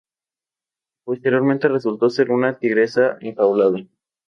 posteriormente resultó ser una tigresa enjaulada